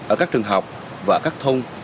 ở các trường học và các thôn